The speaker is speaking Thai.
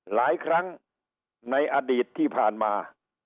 หลายครั้งในอดีตที่ผ่านมา